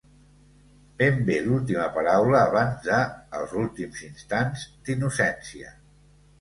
Ben bé l'última paraula abans de, els últims instants d'innocència.